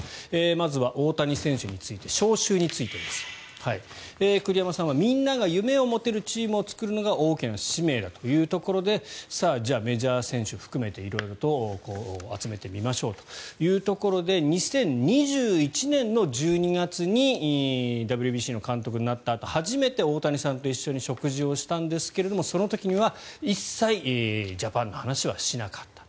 まずは大谷選手について招集についてです。栗山さんはみんなが夢を持てるチームを作るのが大きな使命だというところでじゃあメジャー選手含めて色々と集めてみましょうというところで２０２１年の１２月にＷＢＣの監督になったあと初めて大谷さんと一緒に食事をしたんですがその時には一切ジャパンの話はしなかった。